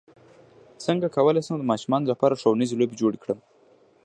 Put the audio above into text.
څنګه کولی شم د ماشومانو لپاره ښوونیزې لوبې جوړې کړم